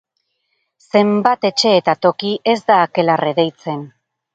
Zenbat etxe eta toki ez da akelarre deitzen!